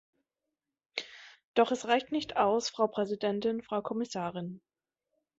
Doch es reicht nicht aus, Frau Präsidentin, Frau Kommissarin.